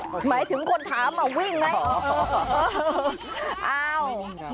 หมายถึงคนถามเขาวิ่งไหม